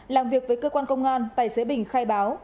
làm việc với cơ quan công an tài xế bình khai báo